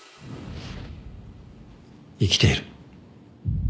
生きている。